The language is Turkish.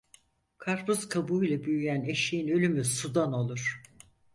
Karpuz kabuğuyla büyüyen eşeğin ölümü sudan olur.